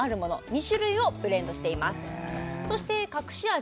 ２種類をブレンドしています